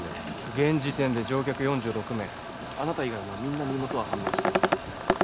現時点で乗客４６名あなた以外もうみんな身元は判明しています